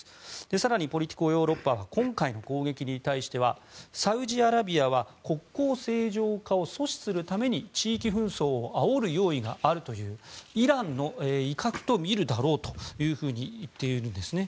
更にポリティコ・ヨーロッパは今回の攻撃に対してはサウジアラビアは国交正常化を阻止するために地域紛争をあおる用意があるというイランの威嚇とみるだろうと言っているんですね。